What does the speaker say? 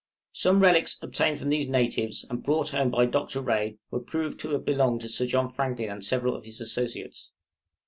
Some relics obtained from these natives, and brought home by Dr. Rae, were proved to have belonged to Sir John Franklin and several of his associates.